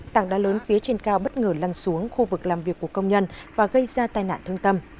tảng đá lớn phía trên cao bất ngờ lăn xuống khu vực làm việc của công nhân và gây ra tai nạn thương tâm